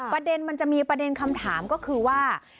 ประเด็นมันจะมีประเด็นคำถามก็คือว่า